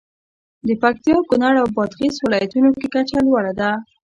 د پکتیا، کونړ او بادغیس ولایتونو کې کچه لوړه ده.